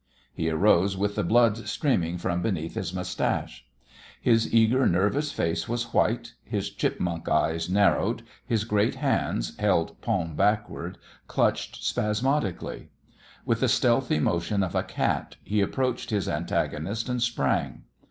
He arose with the blood streaming from beneath his mustache. His eager, nervous face was white; his chipmunk eyes narrowed; his great hands, held palm backward, clutched spasmodically. With the stealthy motion of a cat he approached his antagonist, and sprang.